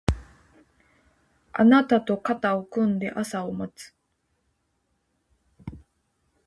あなたと肩を組んで朝を待つ